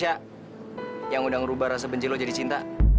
beh jawabai dan biar pemacet drinkfull thing